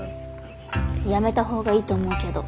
やめた方がいいと思うけど。